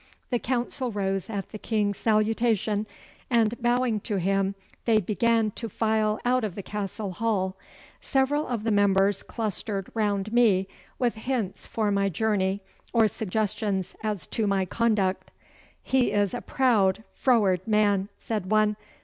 The council rose at the King's salutation, and bowing to him they began to file out of the Castle hall. Several of the members clustered round me with hints for my journey or suggestions as to my conduct. 'He is a proud, froward man,' said one.